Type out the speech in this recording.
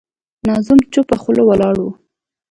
ناظم چوپه خوله ولاړ و.